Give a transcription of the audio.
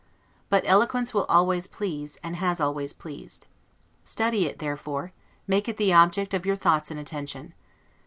But eloquence will always please, and has always pleased. Study it therefore; make it the object of your thoughts and attention.